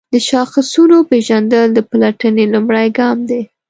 د شاخصونو پیژندل د پلټنې لومړی ګام دی.